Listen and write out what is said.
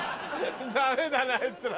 ダメだなあいつら。